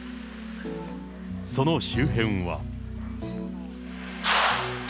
その周辺は。